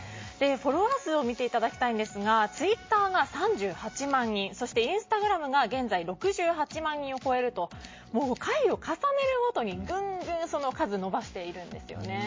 フォロワー数を見ていただきたいんですがツイッターが３８万人そしてインスタグラムが現在６８万人を超えるともう回を重ねるごとにぐんぐんその数を伸ばしているんです。